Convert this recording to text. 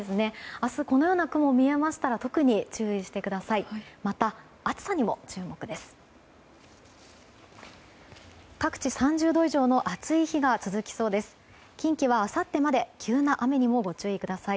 明日、このような雲が見えましたら特に注意してください。